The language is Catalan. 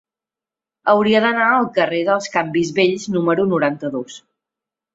Hauria d'anar al carrer dels Canvis Vells número noranta-dos.